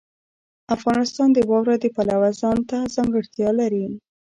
افغانستان د واوره د پلوه ځانته ځانګړتیا لري.